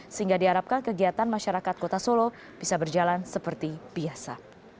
sehingga diharapkan kegiatan masyarakat kota solo bisa berjalan seperti biasa